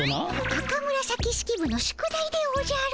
赤紫式部の宿題でおじゃる。